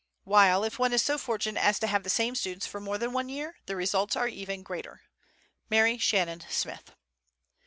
While, if one is so fortunate as to have the same students for more than one year, the results are even greater. MARY SHANNON SMITH.